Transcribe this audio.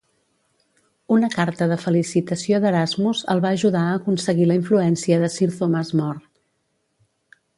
Una carta de felicitació d'Erasmus el va ajudar a aconseguir la influència de Sir Thomas More.